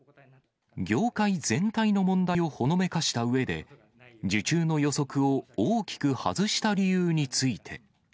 業界全体の問題をほのめかしたうえで、受注の予測を大きく外した理由について。